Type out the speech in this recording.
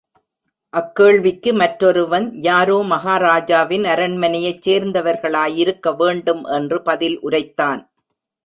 அக் கேள்விக்கு மற்றொருவன், யாரோ, மகாராஜாவின் அரண்மனையைச் சேர்ந்தவர்களாயிருக்க வேண்டும்! என்று பதில் உரைத்தான்.